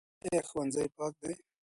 ایا ښوونځی پاک دی؟